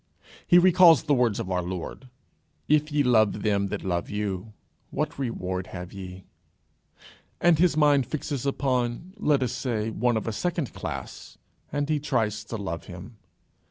He recalls the words of our Lord, "If ye love them which love you, what reward have ye?" and his mind fixes upon let us say one of a second class, and he tries to love him.